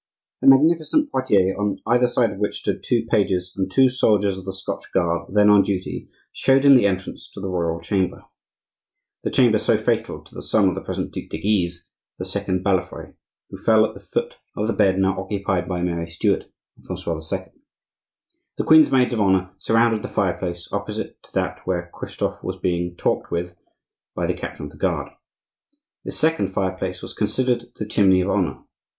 A magnificent portiere, on either side of which stood two pages and two soldiers of the Scotch guard, then on duty, showed him the entrance to the royal chamber,—the chamber so fatal to the son of the present Duc de Guise, the second Balafre, who fell at the foot of the bed now occupied by Mary Stuart and Francois II. The queen's maids of honor surrounded the fireplace opposite to that where Christophe was being "talked with" by the captain of the guard. This second fireplace was considered the chimney of honor.